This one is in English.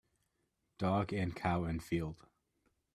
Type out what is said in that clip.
Dog and cow in field.